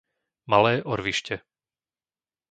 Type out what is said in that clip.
Malé Orvište